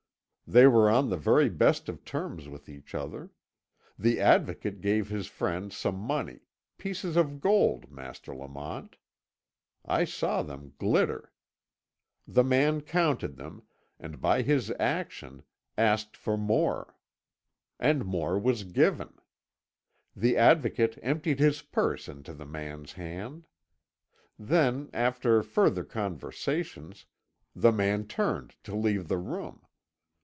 They were on the very best of terms with each other. The Advocate gave his friend some money pieces of gold, Master Lamont; I saw them glitter. The man counted them, and by his action, asked for more; and more was given; the Advocate emptied his purse into the man's hand. Then, after further conversation, the man turned to leave the room.